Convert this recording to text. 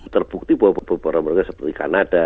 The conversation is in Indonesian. terbukti bahwa beberapa orang seperti kanada